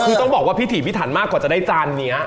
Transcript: คือต้องบอกว่าพิถีพิถันมากกว่าจะได้จานนี้